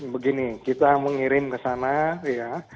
begini kita mengirim ke sana ya